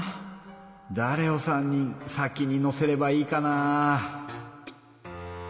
だれを３人先に乗せればいいかな？